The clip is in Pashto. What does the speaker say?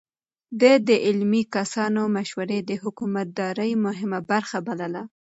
ده د علمي کسانو مشورې د حکومتدارۍ مهمه برخه بلله.